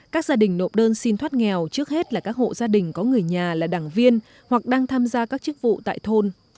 các gia đình nộp đơn xin thoát nghèo trước hết là các hộ gia đình có người nhà là đảng viên hoặc đang tham gia các chức vụ tại thôn